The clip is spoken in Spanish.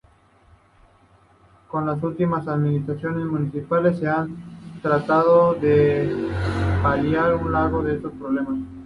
Con las últimas administraciones municipales se ha tratado de paliar en algo estos problemas.